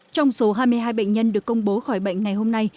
trong số hai mươi hai bệnh nhân được công bố khỏi bệnh ngày hôm nay